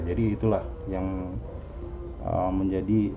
jadi itulah yang menjadi